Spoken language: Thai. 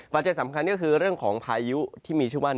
สำคัญก็คือเรื่องของพายุที่มีชื่อว่า